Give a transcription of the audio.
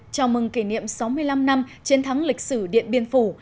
chào mừng kỷ niệm sáu mươi năm năm chiến thắng lịch sử điện biên phủ